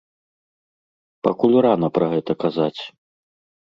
Пакуль рана пра гэта казаць.